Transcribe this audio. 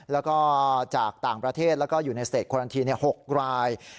แล้วก็จากต่างประเทศแล้วก็อยู่ในสเตจโครันที๖ราย